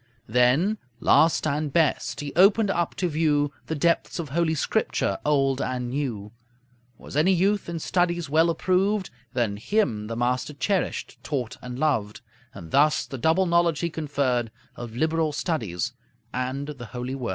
Then, last and best, he opened up to view The depths of Holy Scripture, Old and New. Was any youth in studies well approved, Then him the master cherished, taught, and loved; And thus the double knowledge he conferred Of liberal studies and the Holy Word.